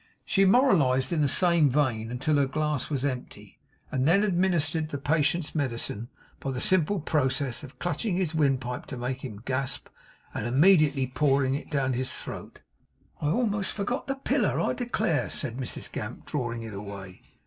She moralised in the same vein until her glass was empty, and then administered the patient's medicine, by the simple process of clutching his windpipe to make him gasp, and immediately pouring it down his throat. 'I a'most forgot the piller, I declare!' said Mrs Gamp, drawing it away.